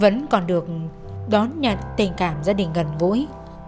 vẫn còn được đón nhận tình cảm gia đình gần gũi